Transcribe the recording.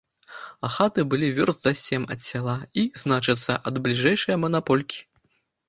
А хаты былі вёрст за сем ад сяла і, значыцца, ад бліжэйшае манаполькі.